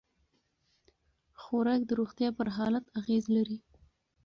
خوراک د روغتیا پر حالت اغېز لري.